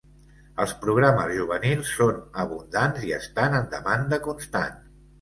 Els programes juvenils són abundants i estan en demanda constant.